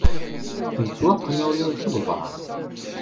Yettwaqqen uɣyul seg uḍar.